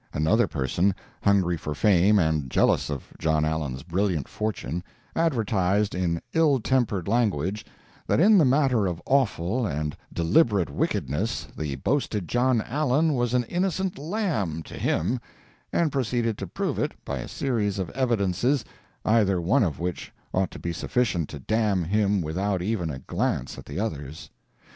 Another person, hungry for fame and jealous of Jno. Allen's brilliant fortune, advertised in ill tempered language that in the matter of awful and deliberate wickedness the boasted John Allen was an innocent lamb to him, and proceeded to prove it by a series of evidences, either one of which ought to be sufficient to damn him without even a glance at the others.